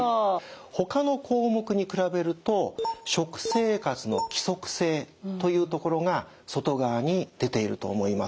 ほかの項目に比べると「食生活の規則性」というところが外側に出ていると思います。